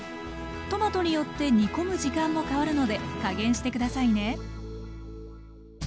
トマトによって煮込む時間も変わるので加減して下さいね。